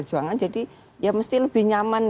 jadi ya mesti lebih nyaman